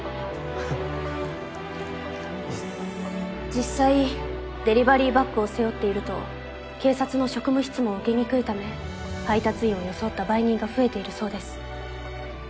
実際デリバリーバッグを背負っていると警察の職務質問を受けにくいため配達員を装った売人が増えているそうです。